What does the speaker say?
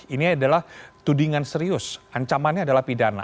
ini adalah tudingan serius ancamannya adalah pidana